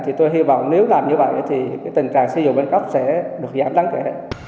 thì tôi hy vọng nếu làm như vậy thì cái tình trạng xe dù bến cốc sẽ được giảm đáng kể